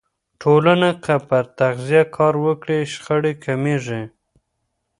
ټولنه که پر تغذیه کار وکړي، شخړې کمېږي.